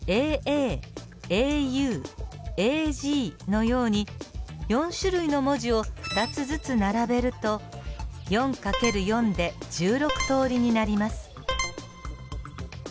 ＡＡＡＵＡＧのように４種類の文字を２つずつ並べると４×４で１６通りになります。